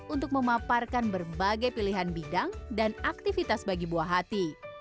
untuk memaparkan berbagai pilihan bidang dan aktivitas bagi buah hati